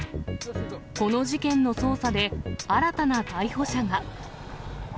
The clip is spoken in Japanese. この事件の捜査で、新たな逮捕者が。